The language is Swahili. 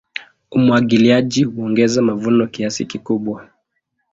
Umwagiliaji huongeza mavuno kiasi kikubwa.